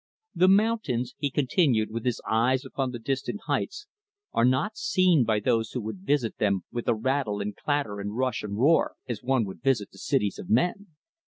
"The mountains" he continued, with his eyes upon the distant heights "are not seen by those who would visit them with a rattle and clatter and rush and roar as one would visit the cities of men.